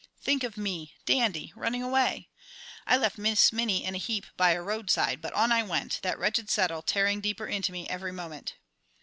Think of me, Dandy, running away! I left Miss Minnie in a heap by a roadside, but on I went, that wretched saddle tearing deeper into me every moment.